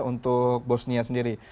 untuk bosnia sendiri